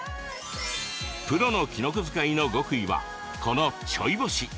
プロのきのこ使いの極意はこの、ちょい干し。